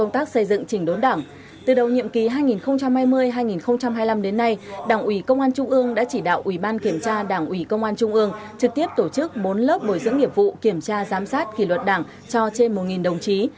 từ đầu nhiệm kỳ hai nghìn hai mươi hai nghìn hai mươi năm đến nay đảng ủy công an trung ương đã chỉ đạo ủy ban kiểm tra đảng ủy công an trung ương trực tiếp tổ chức bốn lớp bồi dưỡng nghiệp vụ kiểm tra giám sát kỷ luật đảng cho trên một đồng chí